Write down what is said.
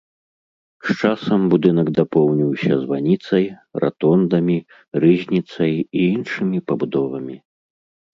З часам будынак дапоўніўся званіцай, ратондамі, рызніцай і іншымі пабудовамі.